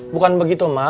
bukan begitu mak